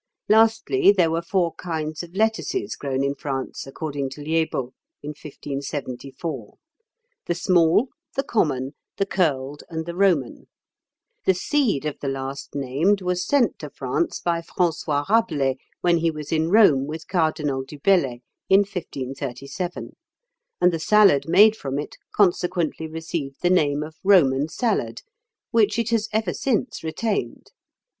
Lastly, there were four kinds of lettuces grown in France, according to Liébault, in 1574: the small, the common, the curled, and the Roman: the seed of the last named was sent to France by François Rabelais when he was in Rome with Cardinal du Bellay in 1537; and the salad made from it consequently received the name of Roman salad, which it has ever since retained.